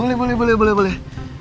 eh boleh boleh boleh boleh